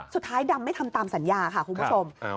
สุดท้ายดำไม่ทำตามสัญญาค่ะคุณผู้ชม